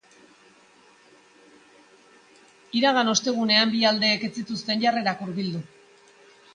Iragan ostegunean bi aldeek ez zituzten jarrerak hurbildu.